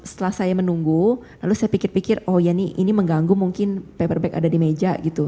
setelah saya menunggu lalu saya pikir pikir oh ya ini mengganggu mungkin paper bag ada di meja gitu